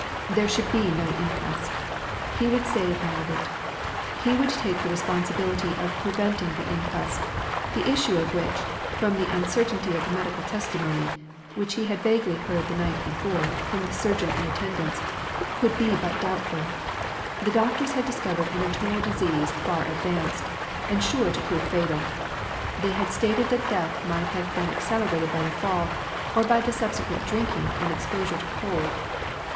There should be no inquest. He would save Margaret. He would take the responsibility of preventing the inquest, the issue of which, from the uncertainty of the medical testimony (which he had vaguely heard the night before, from the surgeon in attendance), could be but doubtful; the doctors had discovered an internal disease far advanced, and sure to prove fatal; they had stated that death might have been accelerated by the fall, or by the subsequent drinking and exposure to cold.